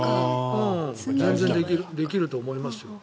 全然できると思いますよ。